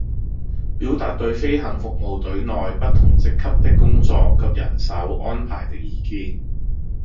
表達對飛行服務隊內不同職級的工作及人手安排的意見